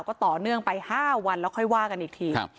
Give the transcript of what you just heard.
ก็ต่อเนื่องไป๕วันแล้วค่อยว่ากันอีกที